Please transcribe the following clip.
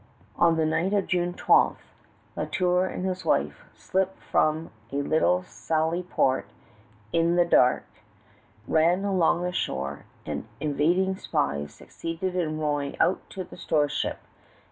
On the night of June 12th, La Tour and his wife slipped from a little sally port in the dark, ran along the shore, and, evading spies, succeeded in rowing out to the store ship.